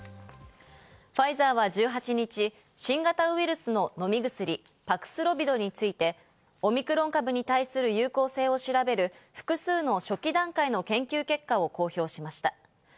ファイザーは１８日、新型ウイルスの飲み薬パクスロビドについてオミクロン株に対する有効性を調べる複数の初期段階の研究結果を公表しました。